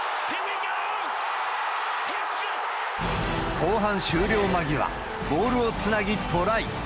後半終了間際、ボールをつなぎトライ。